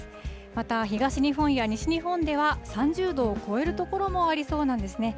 また東日本や西日本では３０度を超える所もありそうなんですね。